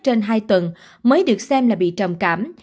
trên hai tuần mới được xem là bị trầm cảm